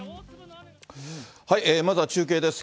まずは中継です。